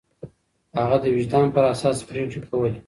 هغه د وجدان پر اساس پرېکړې کولې.